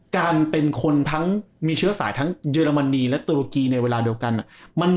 การเป็นคนทั้งมีเชื้อสายทั้งเยอรมนีและตุรกีในเวลาเดียวกัน